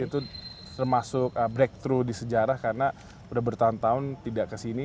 itu termasuk breakthrough di sejarah karena udah bertahun tahun tidak kesini